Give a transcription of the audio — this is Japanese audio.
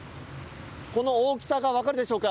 この大きさがわかるでしょうか。